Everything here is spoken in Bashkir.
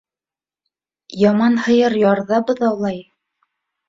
Яман һыйыр ярҙа быҙаулай.